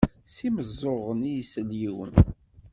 S imeẓẓuɣen i isell yiwen.